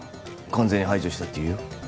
完全に排除したって言うよ？